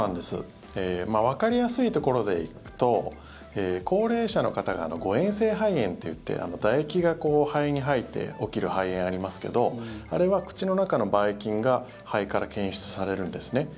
わかりやすいところでいくと高齢者の方が誤嚥性肺炎っていってだ液が肺に入って起きる肺炎がありますけどあれは口の中のばい菌が肺から検出されるんですね。